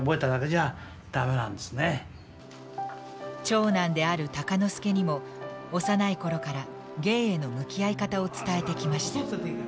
長男である鷹之資にも幼い頃から芸への向き合い方を伝えてきました。